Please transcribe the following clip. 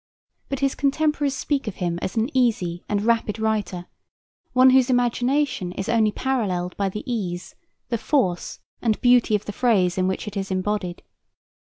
But his contemporaries speak of him as an easy and rapid writer; one whose imagination is only paralleled by the ease, the force and beauty of the phrase in which it is embodied.